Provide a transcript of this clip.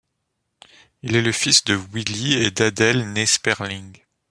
Il est le fils de Willy et d’Adele née Sperling.